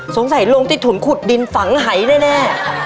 สงสัยลงติดถุนขุดดินฝังหายแน่